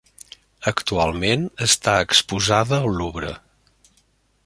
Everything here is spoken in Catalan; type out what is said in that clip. Actualment està exposada al Louvre.